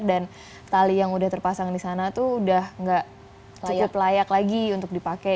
dan tali yang udah terpasang di sana tuh udah gak cukup layak lagi untuk dipakai